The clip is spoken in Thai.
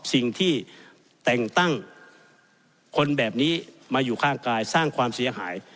สิ่งที่แต่งตั้งคนแบบนี้มาอยู่ข้างกายสร้างความเสียหาย